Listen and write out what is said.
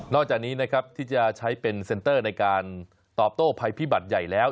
จากนี้นะครับที่จะใช้เป็นเซ็นเตอร์ในการตอบโต้ภัยพิบัติใหญ่แล้ว